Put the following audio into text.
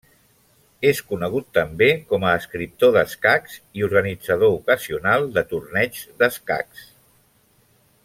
És conegut també com a escriptor d'escacs i organitzador ocasional de torneigs d'escacs.